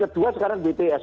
kedua sekarang bts